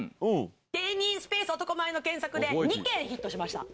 芸人スペース男前の検索で、２件ヒットしました。